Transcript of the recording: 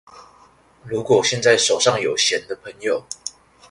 如果現在手上有閒的朋友